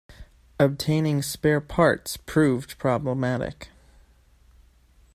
Obtaining spare parts proved problematic.